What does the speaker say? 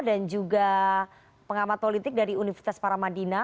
dan juga pengamat politik dari universitas paramadina